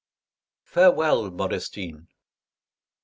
FAREWELL, MODESTINE!